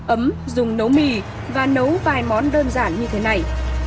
ấm dùng nấu mì và nấu vài món đơn giản như thế này